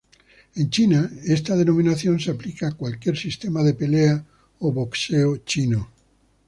En China, esta denominación se aplica a cualquier sistema de pelea o boxeo chino.